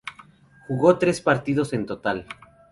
Jugó tres partidos en total.